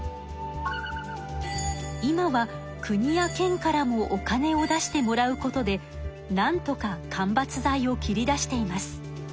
今は国や県からもお金を出してもらうことでなんとか間伐材を切り出しています。